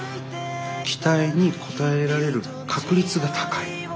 期待に応えられる確率が高い。